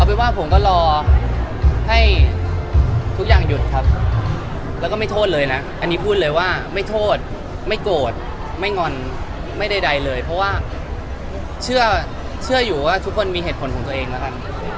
เป็นว่าผมก็รอให้ทุกอย่างหยุดครับแล้วก็ไม่โทษเลยนะอันนี้พูดเลยว่าไม่โทษไม่โกรธไม่งอนไม่ได้ใดเลยเพราะว่าเชื่ออยู่ว่าทุกคนมีเหตุผลของตัวเองแล้วกัน